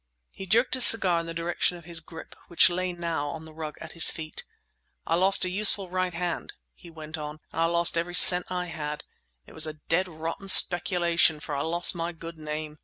He jerked his cigar in the direction of his grip, which lay now on the rug at his feet. "I lost a useful right hand," he went on—"and I lost every cent I had. It was a dead rotten speculation—for I lost my good name!